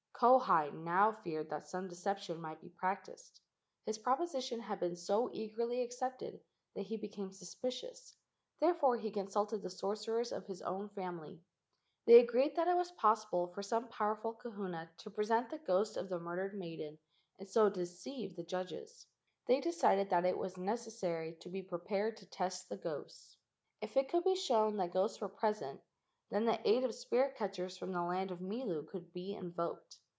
Kauhi now feared that some deception might be practised. His proposition had been so eagerly accepted that he became suspicious; therefore he consulted the sorcerers of his own family. They agreed that it was possible for some powerful kahuna to present the ghost of the murdered maiden and so deceive the judges. They decided that it was necessary to be pre¬ pared to test the ghosts. If it could be shown that ghosts were present, then the aid of " spirit catchers " from the land of Milu could be invoked.